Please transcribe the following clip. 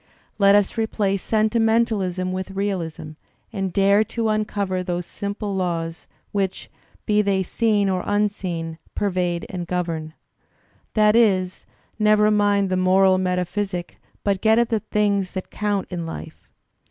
..• Let us replace sentimentalism with realism and dare to uncover those simple laws, which, be they seen or unseen, pervade and govern." That is, never mind the moral metaphysic but get at the things that count in life.